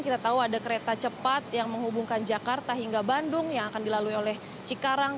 kita tahu ada kereta cepat yang menghubungkan jakarta hingga bandung yang akan dilalui oleh cikarang